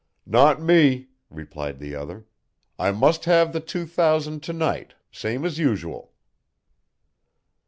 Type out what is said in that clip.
"Not me," replied the other. "I must have the two thousand to night, same as usual."